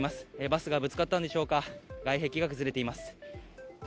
バスがぶつかったんでしょうか、外壁が崩れています。